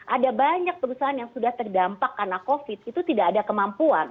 ada banyak perusahaan yang sudah terdampak karena covid itu tidak ada kemampuan